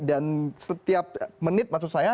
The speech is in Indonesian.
dan setiap menit maksud saya